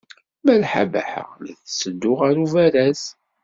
Malḥa Baḥa la tetteddu ɣer ubaraz.